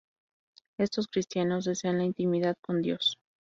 Estos cristianos desean la intimidad con Dios.